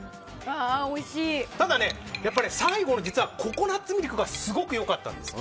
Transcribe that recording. ただ、最後のココナッツミルクがすごく良かったんです。